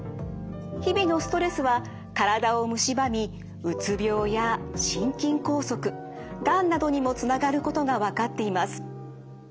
日々のストレスは体をむしばみうつ病や心筋梗塞がんなどにもつながることがわかっています。